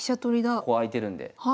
ここ開いてるんで。